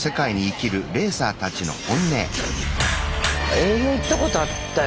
営業行ったことあったよね。